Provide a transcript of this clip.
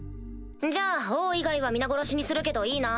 じゃあ王以外は皆殺しにするけどいいな？